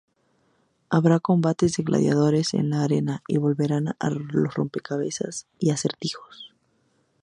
Habrá combates de gladiadores en la arena, y volverán los rompecabezas y acertijos.